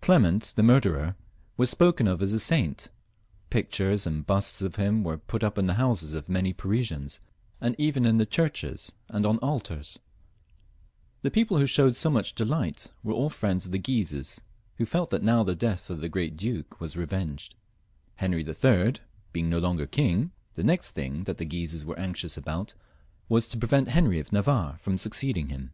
Clement, the murderer, was spoken of as a saint; pictures and busts of him were put up in the houses of many of the Parisians, and even in the churches and on altars. The people who showed so much delight were all friends of the Guises, who felt that now the death of the great duke was Jb Iba poffR 307. *'" '^"'^^^^^^mi^^mmmmmmmmmmmmmmfmmmimiKm XL.] HENRY IV, 297 revenged, Henry III. being no longer king, the next thing that the Guises were anxious about was to prevent Henry of Navarre from succeeding him.